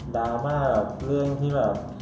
ราม่ากับเรื่องที่แบบ